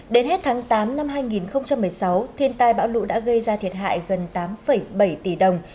đến hết tháng tám năm hai nghìn một mươi sáu thiên tai bão lũ đã gây ra thiệt hại gần tám bảy tỷ đồng